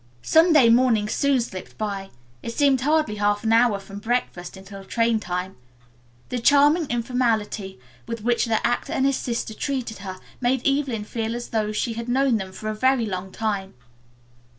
Sunday morning soon slipped by. It seemed hardly half an hour from breakfast until train time. The charming informality with which the actor and his sister treated her made Evelyn feel as though she had known them for a very long time.